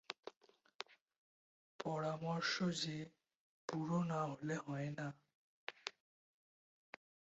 পরামর্শ যে বুড়ো না হলে হয় না।